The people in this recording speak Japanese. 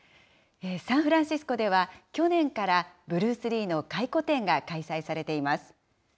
サンフランシスコでは、去年から、ブルース・リーの回顧展が開催されています。